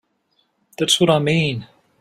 That's what I mean.